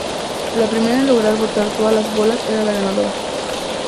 La primera en lograr botar todas las bolas era la ganadora.